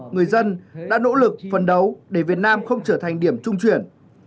người dân đã nỗ lực phấn đấu để việt nam không trở thành điểm trung chuyển